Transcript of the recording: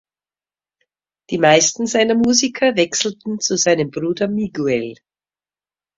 Die meisten seiner Musiker wechselten zu seinem Bruder Miguel.